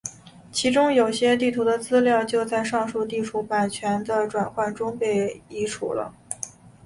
其中有些地图的资料就在上述地图版权的转换中被移除了。